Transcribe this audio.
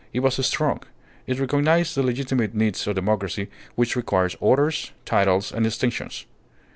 It was strong. It recognized the legitimate needs of democracy which requires orders, titles, and distinctions.